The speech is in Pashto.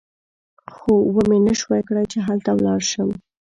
خو ومې نه شوای کړای چې هلته ولاړ شم.